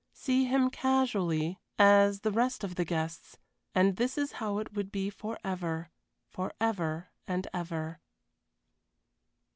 See him casually, as the rest of the guests, and this is how it would be forever for ever and ever.